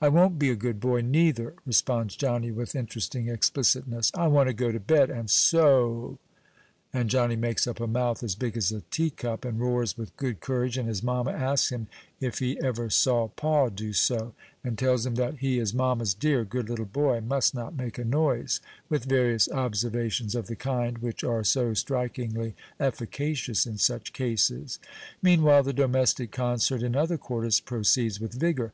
"I won't be a good boy, neither," responds Johnny, with interesting explicitness; "I want to go to bed, and so o o o!" and Johnny makes up a mouth as big as a teacup, and roars with good courage, and his mamma asks him "if he ever saw pa do so," and tells him that "he is mamma's dear, good little boy, and must not make a noise," with various observations of the kind, which are so strikingly efficacious in such cases. Meanwhile, the domestic concert in other quarters proceeds with vigor.